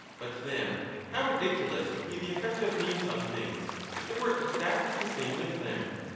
But then how ridiculous would be the effect of names on things, if they were exactly the same with them